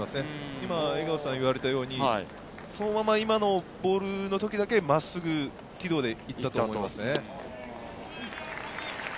今江川さんが言われたように、今のボールの時だけ真っすぐ軌道でいったと思いますね。